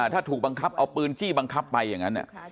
ถ้าถูกบังคับเอาปืนจี้บังคับไปอย่างนั้น